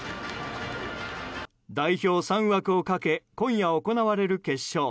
代表３枠をかけ今夜行われる決勝。